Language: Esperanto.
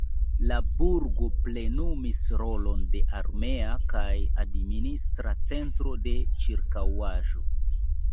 La burgo plenumis rolon de armea kaj administra centro de ĉirkaŭaĵo.